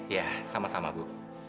yah sama sama bu